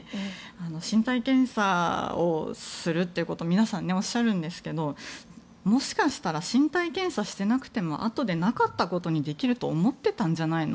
身体検査をするってことを皆さん、おっしゃいますがもしかしたら身体検査していなくてもあとでなかったことにできると思ってたんじゃないの？